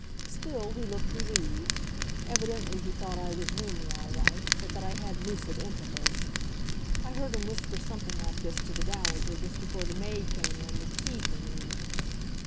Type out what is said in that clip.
Still, he looked relieved. Evidently he thought I was luny all right, but that I had lucid intervals. I heard him whisper something like this to the Dowager just before the maid came in with tea for me.